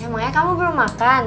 emangnya kamu belum makan